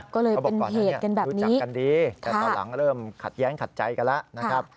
ก็เลยเป็นเหตุกันดีแต่ตอนหลังเริ่มขัดแย้งขัดใจกันแล้วนะครับ